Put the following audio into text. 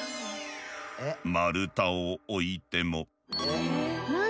丸太を置いても。